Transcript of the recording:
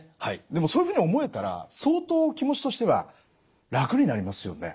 でもそういうふうに思えたら相当気持ちとしては楽になりますよね。